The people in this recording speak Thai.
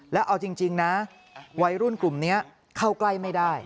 แล้วเอาจริงนะวัยรุ่นกลุ่มนี้เข้าใกล้ไม่ได้